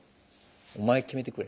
お前決めてくれ。